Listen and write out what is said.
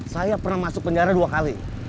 saya pernah masuk penjara dua kali